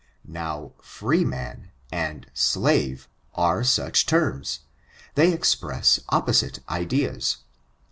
Now, frtenum and slave are such terms— they express (^posite ideas.